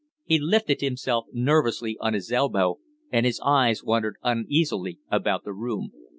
He lifted himself nervously on his elbow and his eyes wandered uneasily about the room.